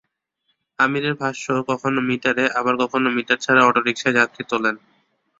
আমীরের ভাষ্য, কখনো মিটারে, আবার কখনো মিটার ছাড়া অটোরিকশায় যাত্রী তোলেন।